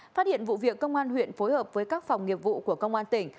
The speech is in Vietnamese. phát hiện vụ việc công an huyện phối hợp với các phòng nghiệp vụ của công an tỉnh